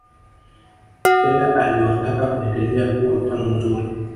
stela aliwataka kuendelea kuwa mfano mzuri